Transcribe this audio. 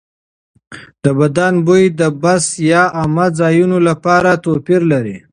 د بدن بوی د بس یا عامه ځایونو لپاره توپیر لري.